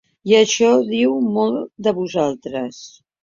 I això diu molt de vosaltres.